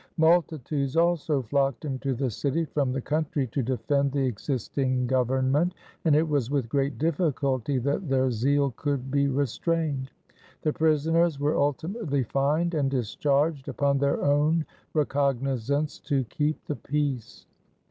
Multitudes also flocked into the city from the country, to defend the existing government, and it was with great difficulty that their zeal could be restrained. The prisoners were ultimately fined and discharged upon their own recognizance to keep the peace.